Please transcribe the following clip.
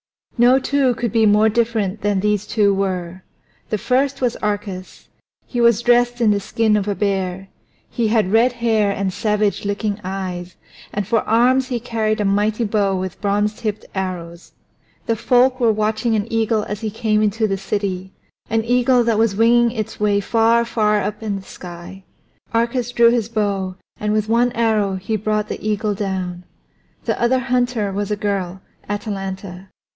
No two could be more different than these two were. The first was Arcas. He was dressed in the skin of a bear; he had red hair and savage looking eyes, and for arms he carried a mighty bow with bronze tipped arrows. The folk were watching an eagle as he came into the city, an eagle that was winging its way far, far up in the sky. Arcas drew his bow, and with one arrow he brought the eagle down. The other hunter was a girl, Atalanta.